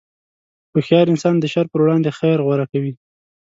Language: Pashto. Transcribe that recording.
هوښیار انسان د شر پر وړاندې خیر غوره کوي.